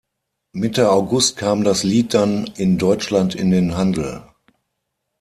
Mitte August kam das Lied dann in Deutschland in den Handel.